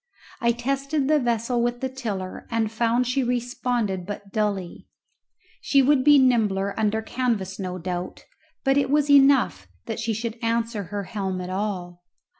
I tested the vessel with the tiller and found she responded but dully; she would be nimbler under canvas no doubt, but it was enough that she should answer her helm at all.